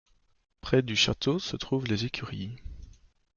Près du château se trouvent les écuries.